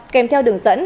kèm theo đường dẫn